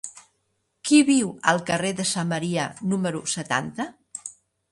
Qui viu al carrer de Samaria número setanta?